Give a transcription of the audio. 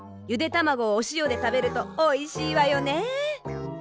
ゆでたまごをおしおでたべるとおいしいわよね。